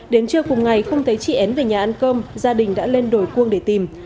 đến trưa cùng ngày không thấy chị én về nhà ăn cơm gia đình đã lên đổi cuông để tìm